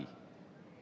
puskesmas sebagai gaya